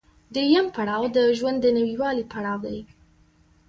درېیم پړاو د ژوند د نويوالي پړاو دی